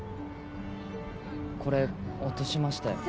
これ落としましたよ